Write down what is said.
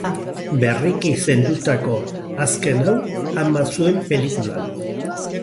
Berriki zendutako azken hau, ama zuen pelikulan.